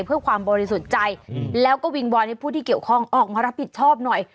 เพื่อความบริสุทธิ์ใจแล้วก็วิงวอนให้ผู้ที่เกี่ยวข้องออกมารับผิดชอบหน่อย